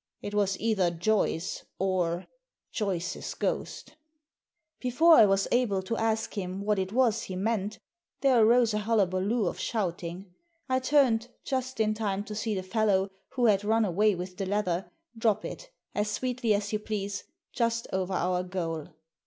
It was either Joyce or — Joyce's ghost" Before I was able to ask him what it was he meant there arose a hullaballoo of shouting. I turned, just in time to see the fellow, who had run away with the leather, drop it, as sweetly as you please, just over our goal.